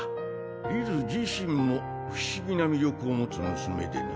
リズ自身も不思議な魅力を持つ娘でな。